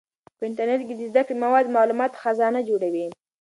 په انټرنیټ کې د زده کړې مواد د معلوماتو خزانه جوړوي.